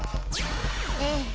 ええ。